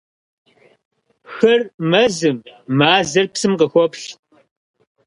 Хыр мэзым, мазэр псым къыхоплъ.